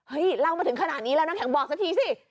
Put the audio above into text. เล่ามาถึงขนาดนี้แล้วน้ำแข็งบอกสักทีสิ